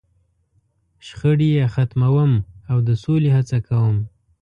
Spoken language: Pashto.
.شخړې یې ختموم، او د سولې هڅه کوم.